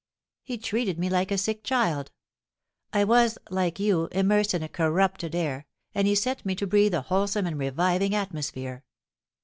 "He treated me like a sick child. I was, like you, immersed in a corrupted air, and he sent me to breathe a wholesome and reviving atmosphere.